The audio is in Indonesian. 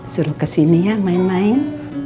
suruh kesini ya main main